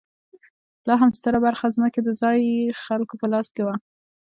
لا هم ستره برخه ځمکې د ځايي خلکو په لاس کې وه.